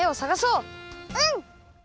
うん！